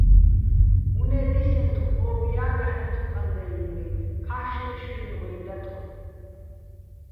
უ̂ნე́ დისენთხო̆, ო́ბია́ დაჰ̦ დათხო̆ ყანდაჲლნუჲ, ქა́შშეჸ შუჲნი̆ ღუჲნი დათხო̆.